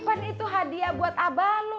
kan itu hadiah buat abah lo